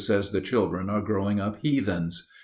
says the children are growing up heathens.